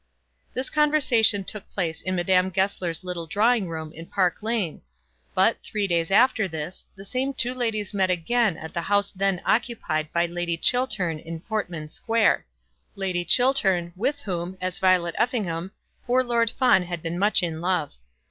This conversation took place in Madame Goesler's little drawing room in Park Lane; but, three days after this, the same two ladies met again at the house then occupied by Lady Chiltern in Portman Square, Lady Chiltern, with whom, as Violet Effingham, poor Lord Fawn had been much in love.